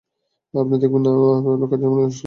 আপনি দেখেন না, আমি কাজে মনোনিবেশ করেছি।